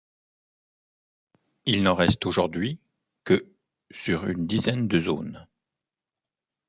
Il n'en reste aujourd'hui que sur une dizaine de zones.